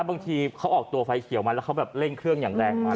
บางทีเขาออกตัวไฟเขียวมาแล้วเขาแบบเร่งเครื่องอย่างแรงมา